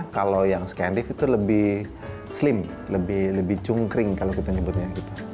kalau yang scandif itu lebih slim lebih cungkring kalau kita nyebutnya